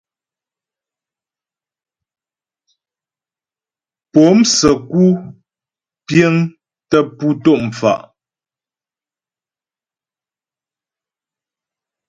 Po'o msə́ku piəŋ tə pú tɔ' mfa'.